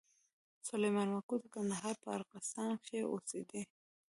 سلېمان ماکو د کندهار په ارغسان کښي اوسېدئ.